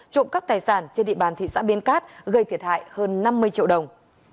trộm cắp tài sản trên địa bàn thị xã biên cát gây thiệt hại hơn năm mươi triệu đồng